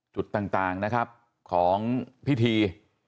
จุดต่างนะครับของพิธี